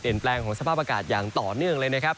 แปลงของสภาพอากาศอย่างต่อเนื่องเลยนะครับ